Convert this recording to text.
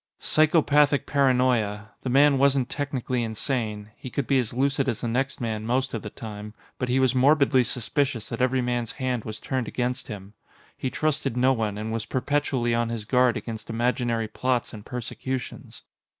Psychopathic paranoia. The man wasn't technically insane; he could be as lucid as the next man most of the time. But he was morbidly suspicious that every man's hand was turned against him. He trusted no one, and was perpetually on his guard against imaginary plots and persecutions.